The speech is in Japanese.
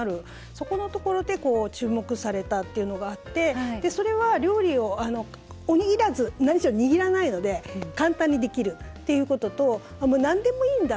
そこのところで注目されたっていうのがあってそれは料理をおにぎらず何しろ、にぎらないので簡単にできるということとなんでもいいんだ。